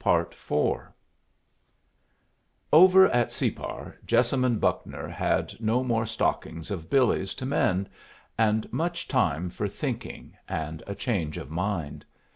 PART IV Over at Separ, Jessamine Buckner had no more stockings of Billy's to mend, and much time for thinking and a change of mind.